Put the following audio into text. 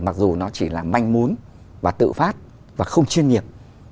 mặc dù nó chỉ là manh mún và tự phát và không chuyên nghiệp